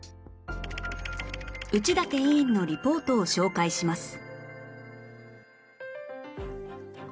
内館委員のリポートを紹介します